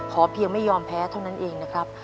เพียงไม่ยอมแพ้เท่านั้นเองนะครับ